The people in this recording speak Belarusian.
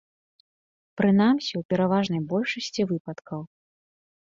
Прынамсі, у пераважнай большасці выпадкаў.